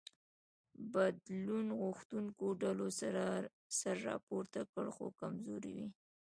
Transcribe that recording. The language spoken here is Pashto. بدلون غوښتونکو ډلو سر راپورته کړ خو کمزوري وې.